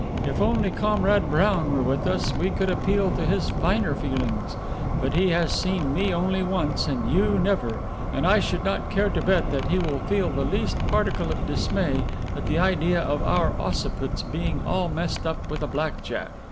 If only Comrade Brown were with us, we could appeal to his finer feelings. But he has seen me only once and you never, and I should not care to bet that he will feel the least particle of dismay at the idea of our occiputs getting all mussed up with a black jack.